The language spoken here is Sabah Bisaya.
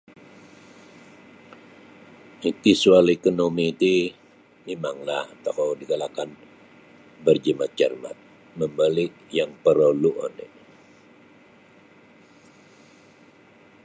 Iti soal ekonomi ti mimanglah tokou digalakkan berjimat cermat membeli yang porolu oni.